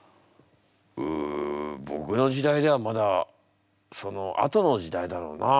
うん僕の時代ではまだそのあとの時代だろうなあ。